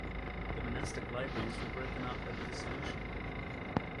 The monastic libraries were broken up at the Dissolution.